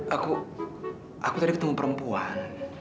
aku aku tadi ketemu perempuan